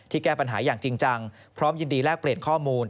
แก้ปัญหาอย่างจริงจังพร้อมยินดีแลกเปลี่ยนข้อมูล